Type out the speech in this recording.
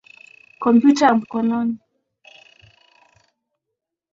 Kompyuta ya mkononi.